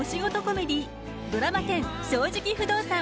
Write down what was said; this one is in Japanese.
コメディードラマ１０「正直不動産」。